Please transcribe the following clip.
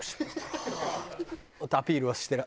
アピールはしてる。